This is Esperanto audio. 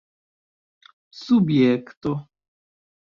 subjekto